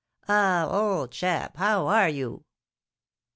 "Ah, old chap, how are you?"